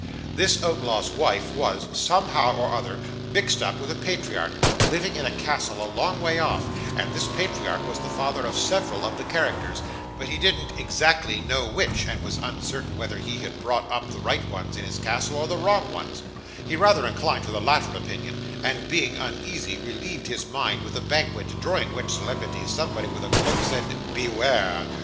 This outlaw's wife was, somehow or other, mixed up with a patriarch, living in a castle a long way off, and this patriarch was the father of several of the characters, but he didn't exactly know which, and was uncertain whether he had brought up the right ones in his castle, or the wrong ones; he rather inclined to the latter opinion, and, being uneasy, relieved his mind with a banquet, during which solemnity somebody in a cloak said 'Beware!